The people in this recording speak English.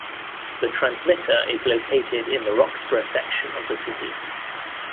The transmitter is located in the Roxborough section of the city.